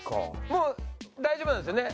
もう大丈夫なんですよね？